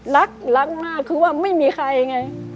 รักรักมากคือว่าไม่มีใครไง